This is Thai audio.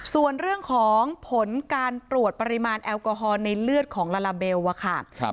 ส่วนเรื่องของผลการตรวจปริมาณแอลกอฮอล์ในเลือดของลาลาเบลอะค่ะ